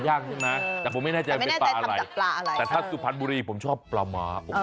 ยังนะแต่ผมไม่แน่ใจว่าเป็นปลาอะไรแต่ถ้าสุพันบุรีผมชอบปลาม้า